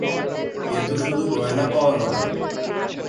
এ তো শুধু গয়না পাওয়া নয়।